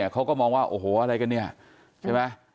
เขาก็มองว่าโอ้โหอะไรกันเนี่ยใช่ไหม